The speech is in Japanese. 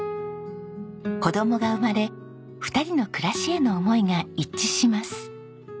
子供が生まれ２人の暮らしへの思いが一致します。